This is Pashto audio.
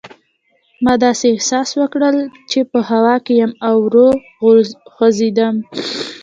ما داسې احساس وکړل چې په هوا کې یم او ورو خوځېدم.